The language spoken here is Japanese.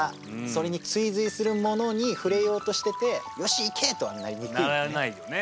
それに追ずいするものにふれようとしてて「よし行け！」とはなりにくいね。